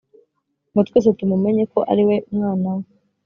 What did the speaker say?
Ngo twese tumumenye ko ariwe mwana we